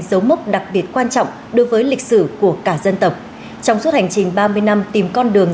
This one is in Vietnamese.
dấu mốc đặc biệt quan trọng đối với lịch sử của cả dân tộc trong suốt hành trình ba mươi năm tìm con đường